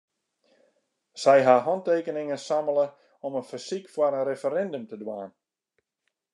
Sy ha hantekeningen sammele om in fersyk foar in referindum te dwaan.